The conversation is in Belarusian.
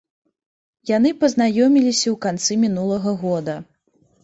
Яны пазнаёміліся ў канцы мінулага года.